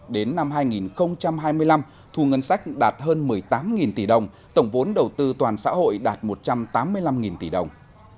đến năm hai nghìn hai mươi năm thu ngân sách đạt hơn một mươi tám tỷ đồng tổng vốn đầu tư toàn xã hội đạt một trăm tám mươi năm tỷ đồng